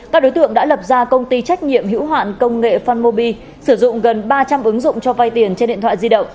các đối tượng đã lập ra công ty trách nhiệm hữu hạn công nghệ fanmobi sử dụng gần ba trăm linh ứng dụng cho vay tiền trên điện thoại di động